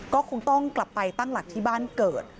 ก็คงต้องกลับไปตั้งหลักที่บ้านเกิด